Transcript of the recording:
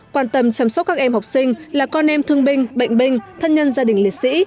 quan tâm chăm sóc các em học sinh là con em thương binh bệnh binh thân nhân gia đình liệt sĩ